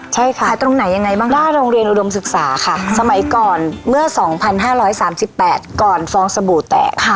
ใช่ค่ะขายตรงไหนยังไงบ้างหน้าโรงเรียนอุดมศึกษาค่ะสมัยก่อนเมื่อ๒๕๓๘ก่อนฟองสบู่แตก